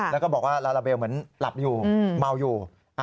แล้วก็บอกว่าลาลาเบลเหมือนหลับอยู่เมาอยู่